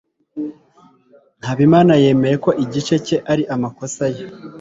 habimana yemeye ko igice cye ari amakosa ye